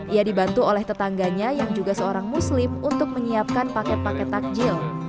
ia dibantu oleh tetangganya yang juga seorang muslim untuk menyiapkan paket paket takjil